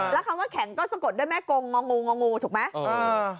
แล้วคำว่าแข็งก็สะกดด้วยแม่กงงองูงองูถูกไหม